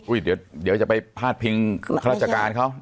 อุ้ยเดี๋ยวจะไปพาดพิงราชการเขา